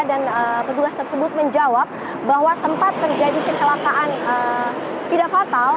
dan petugas tersebut menjawab bahwa tempat terjadi kecelakaan tidak fatal